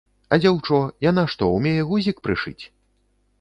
А дзяўчо, яна што, умее гузік прышыць?